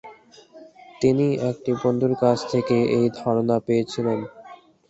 তিনি একটি বন্ধুর কাছ থেকে এই ধারণা পেয়েছিলেন।